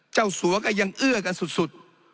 สัวก็ยังเอื้อกันสุด